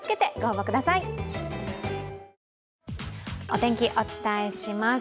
お天気、お伝えします。